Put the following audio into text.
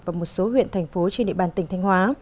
và một số huyện thành phố trên địa bàn tỉnh thanh hóa